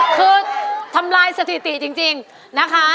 คือทำลายสถิติจริงนะคะ